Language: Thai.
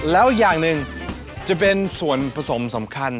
แล้วอย่างหนึ่งจะเป็นส่วนผสมสำคัญ